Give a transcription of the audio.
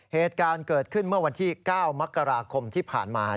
เหตุการณ์เกิดขึ้นเมื่อวันที่๙มกราคมที่ผ่านมา